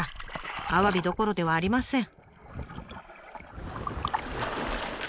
アワビどころではありません。